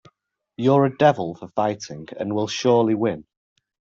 You're a devil for fighting, and will surely win.